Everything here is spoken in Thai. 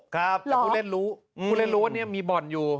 ครับหรอคุณเล่นรู้คุณเล่นรู้ว่านี่มีบ่อนอยู่